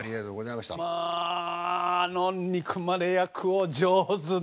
まああの憎まれ役を上手に。